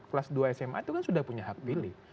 kelas dua sma itu kan sudah punya hak pilih